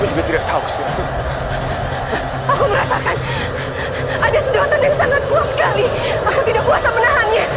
jadi ini perjalanan told bride dasarnya ini